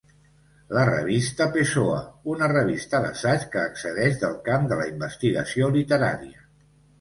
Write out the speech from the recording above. La Revista Pessoa, una revista d'assaig que excedeix del camp de la investigació literària.